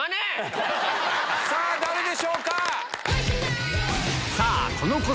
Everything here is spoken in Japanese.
さぁ誰でしょうか？